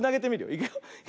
いくよ。